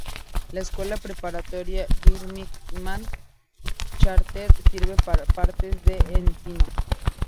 La Escuela Preparatoria Birmingham Charter sirve a partes de Encino.